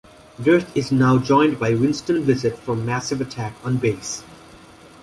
Dirth is now joined by Winston Blissett from Massive Attack on bass.